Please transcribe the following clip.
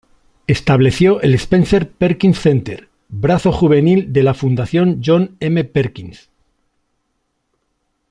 Estableció el Spencer Perkins Center, brazo juvenil de la Fundación John M. Perkins.